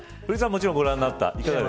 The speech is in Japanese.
もちろんご覧になった。